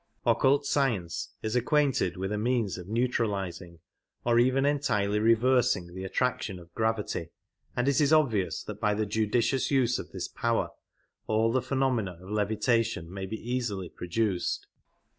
Occult science is ac quainted with a means of neutralizing or even entirely re versing the attraction of gravity, and it is obvious that by the judicious use of this power all the phenomena of levi tation may be easily produced.